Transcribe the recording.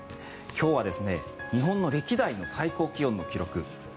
今日は日本の歴代の最高気温の記録